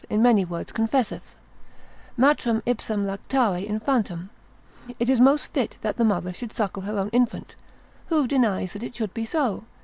in many words confesseth) matrem ipsam lactare infantem, It is most fit that the mother should suckle her own infant—who denies that it should be so?